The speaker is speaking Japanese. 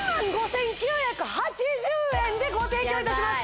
でご提供いたします